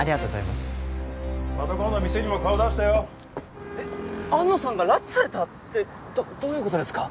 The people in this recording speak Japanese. また今度店にも顔出してよえっ安野さんが拉致されたってどういうことですか？